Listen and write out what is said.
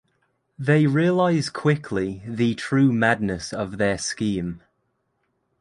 They realize quickly the true madness of their scheme.